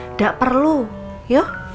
nggak perlu yuk